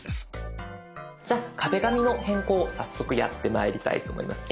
じゃあ壁紙の変更早速やってまいりたいと思います。